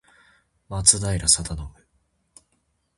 松平定信